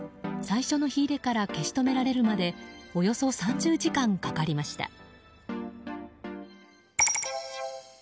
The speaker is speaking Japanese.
最初の火入れから消し止められるまでおよそ３０時間かかりました。